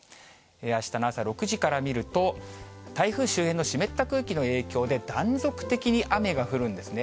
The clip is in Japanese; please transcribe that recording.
あしたの朝６時から見ると、台風周辺の湿った空気の影響で、断続的に雨が降るんですね。